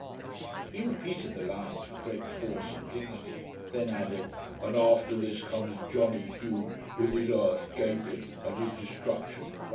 ] He repeated the lines with great force and dignity; then added, 'And, after this, comes Johnny Hoe, with his EARTH GAPING, and his DESTRUCTION CRYING Pooh!'